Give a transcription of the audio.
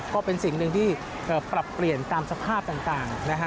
ก็เป็นสิ่งหนึ่งที่ปรับเปลี่ยนตามสภาพต่างนะฮะ